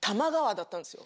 だったんですよ。